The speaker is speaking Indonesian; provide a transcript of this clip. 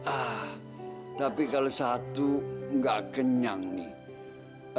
ah tapi kalau satu nggak kenyang nih